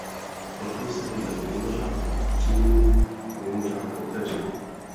Proto jsem byl mimořádně upřímný a mimořádně otevřený.